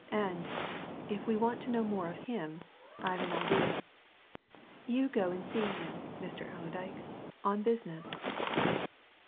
And if we want to know more of him I've an idea. You go and see him, Mr. Allerdyke on business."